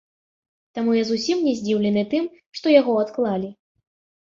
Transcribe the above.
Таму я зусім не здзіўлены тым, што яго адклалі.